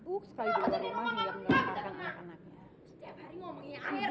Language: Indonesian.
si uks kali itu ngomongin yang gak pernah kita dengar